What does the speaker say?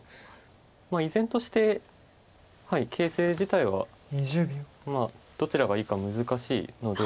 依然として形勢自体はどちらがいいか難しいので。